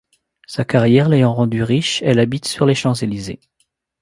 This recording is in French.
Sa carrière l'ayant rendue riche, elle habite sur les Champs-Élysées.